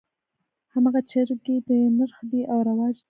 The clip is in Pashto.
هماغه جرګې دي نرخ دى او رواج دى.